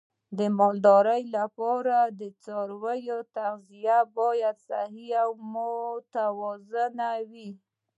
د مالدارۍ لپاره د څارویو تغذیه باید صحي او متوازنه وي.